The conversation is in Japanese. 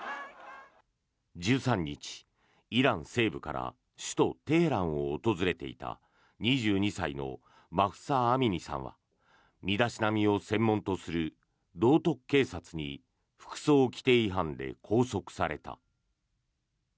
１３日、イラン西部から首都テヘランを訪れていた２２歳のマフサ・アミニさんは身だしなみを専門とする道徳警察に服装規定違反で拘束された。